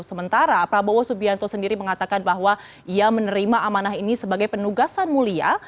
sementara prabowo subianto sendiri mengatakan bahwa ia menerima amanah ini sebagai penugasan mulia